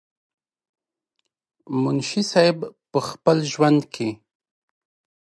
منشي صېب پۀ خپل ژوند کښې